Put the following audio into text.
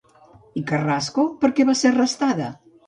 I Carrasco, per què va ser arrestada?